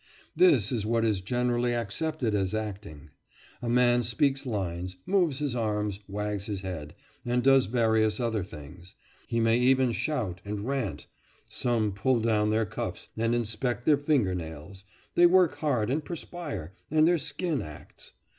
This is what is generally accepted as acting. A man speaks lines, moves his arms, wags his head, and does various other things; he may even shout and rant; some pull down their cuffs and inspect their finger nails; they work hard and perspire, and their skin acts.